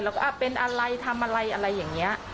แล้วก็เป็นอะไรทำอะไรอะไรอย่างนี้